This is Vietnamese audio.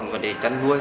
và để chăn nuôi